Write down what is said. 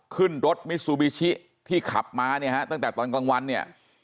ขึ้นรถมิซูบิชิที่ขับมาเนี่ยฮะตั้งแต่ตอนกลางวันเนี่ย